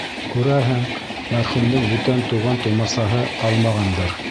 Күрәһең, мәрхүмдең бүтән туған-тыумасаһы ҡалмағандыр.